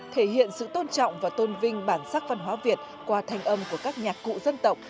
thể hiện sự tôn trọng và tôn vinh bản sắc văn hóa việt qua thanh âm của các nhạc cụ dân tộc